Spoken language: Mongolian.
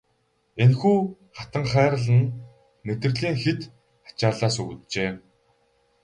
Энэхүү хатанхайрал нь мэдрэлийн хэт ачааллаас үүджээ.